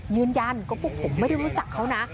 ยืนยันว่าพวกผมไม่ได้รู้จักเขานะ